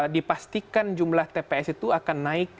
dipastikan jumlah tps itu akan naik